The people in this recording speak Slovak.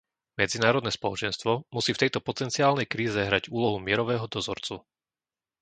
Medzinárodné spoločenstvo musí v tejto potenciálnej kríze hrať úlohu mierového dozorcu.